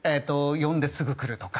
呼んですぐ来るとか。